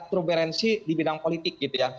trumerensi di bidang politik gitu ya